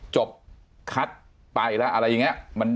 จบคัดไปแล้วอะไรอย่างนี้